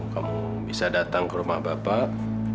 kamu bisa datang ke rumah bapak